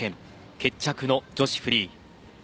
決着の女子フリー。